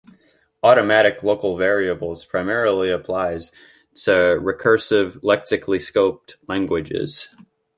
Automatic local variables primarily applies to recursive lexically-scoped languages.